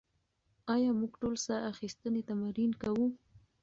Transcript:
ایا موږ ټول ساه اخیستنې تمرین کوو؟